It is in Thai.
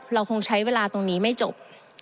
เราคงใช้เวลาตรงนี้ไม่จบ